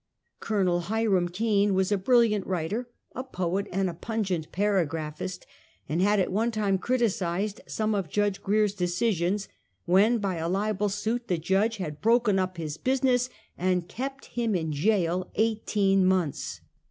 Col. Hiram Kane was a brilliant writer, a poet and pungent para graphist, and had at one time criticised some of Judge Grier's decisions, when by a libel suit the Judge had broken up his business and kept him in jail eighteen months.